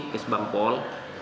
kes bank pol